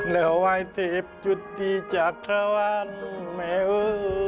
แล้วไหว้เสพจุดดีจากทะวันแม่เอ้อ